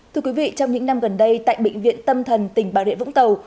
thưa quý vị trong những năm gần đây tại bệnh viện tâm thần tỉnh bà rịa vũng tàu